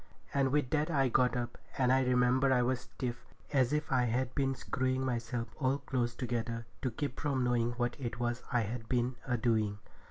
And with that I got up, and I remember I was stiff, as if I had been screwing myself all close together to keep from knowing what it was I had been a doing.